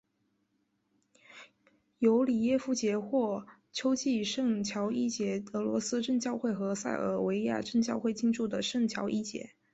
尤里耶夫节或秋季圣乔治节俄罗斯正教会和塞尔维亚正教会庆祝的圣乔治节。